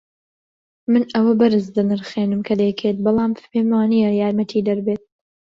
من ئەوە بەرز دەنرخێنم کە دەیکەیت، بەڵام پێم وانییە یارمەتیدەر بێت.